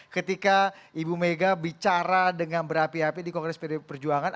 ketika ibu mega bicara dengan berapi api di kongres pdi perjuangan